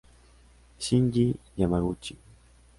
Shinji Yamaguchi